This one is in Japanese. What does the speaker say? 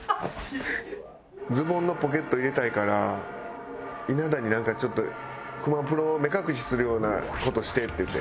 ズボンのポケット入れたいから稲田になんかちょっと「熊プロ目隠しするような事して」って言って。